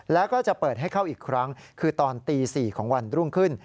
แล้วก็จะเปิดให้เข้าอีกครั้งคือตอนตี๔ของวันรุ่งขึ้น